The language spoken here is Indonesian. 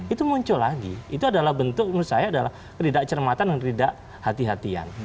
itu muncul lagi itu adalah bentuk menurut saya adalah keridak cermatan dan keridak hati hatian